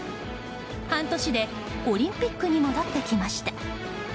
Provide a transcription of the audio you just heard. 半年でオリンピックに戻ってきました。